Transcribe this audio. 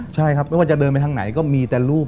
ใช่ครับไม่ว่าจะเดินไปทางไหนก็มีแต่ลูก